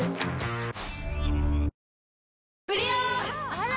あら！